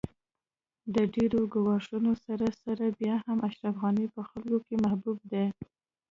د ډېرو ګواښونو سره سره بیا هم اشرف غني په خلکو کې محبوب دی